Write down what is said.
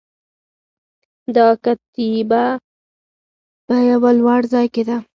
دا کتیبه په یوه لوړ ځای کې ده